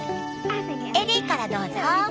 エリーからどうぞ。